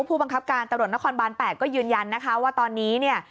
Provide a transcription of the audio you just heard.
ผู้บังคับการตำรวจนครบาน๘ก็ยืนยันว่าตอนนี้